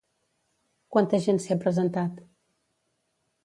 Quanta gent s'hi ha presentat?